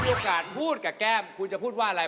โอกาสพูดกับแก้มคุณจะพูดว่าอะไร